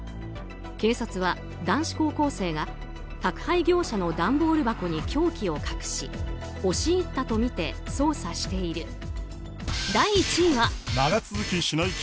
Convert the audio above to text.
警察は男子高校生が宅配業者の段ボール箱に凶器を隠し押し入ったとみて捜査している。